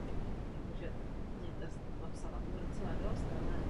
Nicméně ještě je před námi spousta práce.